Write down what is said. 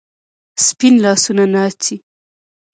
سپین لاسونه ناڅي